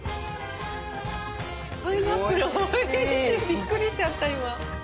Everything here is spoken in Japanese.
びっくりしちゃった今。